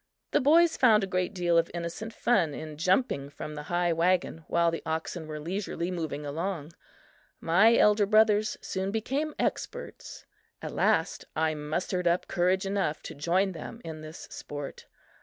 The boys found a great deal of innocent fun in jumping from the high wagon while the oxen were leisurely moving along. My elder brothers soon became experts. At last, I mustered up courage enough to join them in this sport.